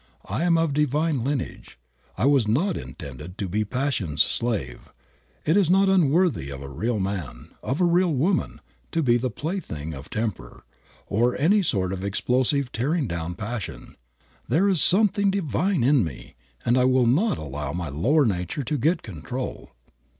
I am of divine lineage. I was not intended to be passion's slave. It is unworthy of a real man, of a real woman, to be the plaything of temper, or any sort of explosive tearing down passion. There is something divine in me and I will not allow my lower nature to get control."